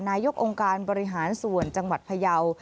นายกองค์การบริหารส่วนจังหวัดพยาว